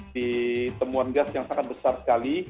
di temuan gas yang sangat besar sekali